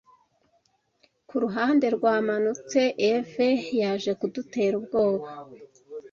Kuruhande rwamanutse eve yaje kudutera ubwoba.